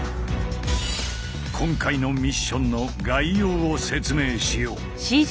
今回のミッションの概要を説明しよう。